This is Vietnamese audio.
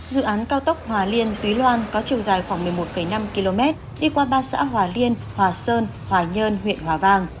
dự án cao tốc hòa liên túy loan có chiều dài khoảng một mươi một năm km đi qua ba xã hòa liên hòa sơn hòa nhơn huyện hòa vang